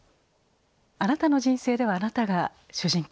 あなたの人生ではあなたが主人公。